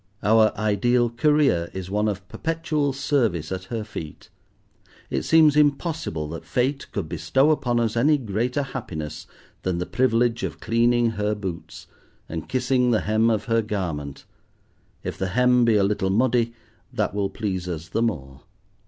Our ideal career is one of perpetual service at her feet. It seems impossible that Fate could bestow upon us any greater happiness than the privilege of cleaning her boots, and kissing the hem of her garment—if the hem be a little muddy that will please us the more.